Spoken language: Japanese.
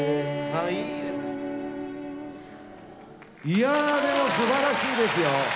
いやあでも素晴らしいですよ！